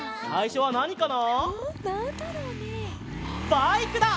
バイクだ！